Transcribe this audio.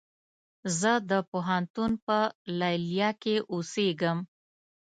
زه د پوهنتون په ليليه کې اوسيږم